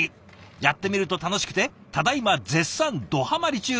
やってみると楽しくてただいま絶賛どハマり中。